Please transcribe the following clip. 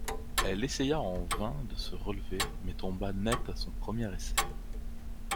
Elle essaya en vain de se relever mais tomba net à son premier essai.